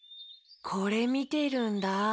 これみてるんだ。